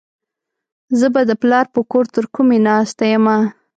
زه به د پلار په کور ترکمي ناسته يمه.